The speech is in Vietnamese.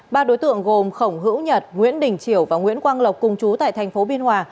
ba đối tượng gồm khổng hữu nhật nguyễn đình triều và nguyễn quang lộc cùng chú tại thành phố biên hòa